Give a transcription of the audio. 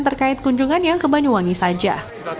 terkait kunjungannya ke banyuwangi saja